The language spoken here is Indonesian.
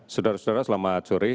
saudara saudara selamat sore